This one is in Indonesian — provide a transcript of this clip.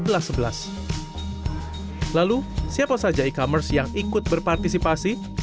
lalu siapa saja e commerce yang ikut berpartisipasi